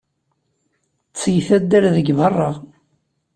Ttget addal deg beṛṛa.